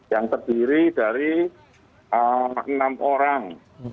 yang terdiri dari enam orang